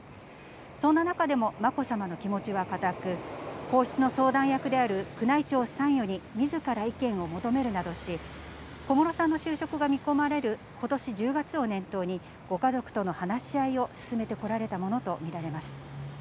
そんな中でもまこさまの気持ちは固く、皇室の相談役である宮内庁参与にみずから意見を求めるなどし、小室さんの就職が見込まれることし１０月を念頭に、ご家族との話し合いを進めてこられたものと見られます。